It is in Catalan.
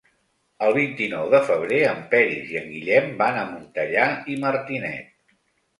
El vint-i-nou de febrer en Peris i en Guillem van a Montellà i Martinet.